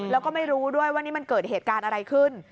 แล้วก็ไม่รู้ด้วยว่านี่มันเกิดเหตุการณ์อะไรขึ้น